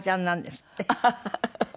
ハハハハ！